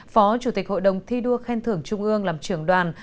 phó chủ tịch hội đồng thi đua khen thưởng trung ương làm trưởng đoàn